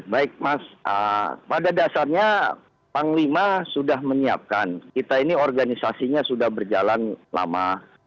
baik mas pada dasarnya panglima sudah menyiapkan kita ini organisasinya sudah berjalan lama